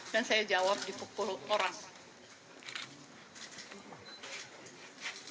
dan saya jawab dipukul orang